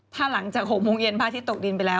ถ้าหลังจาก๖โมงเย็นพระอาทิตย์ตกดินไปแล้ว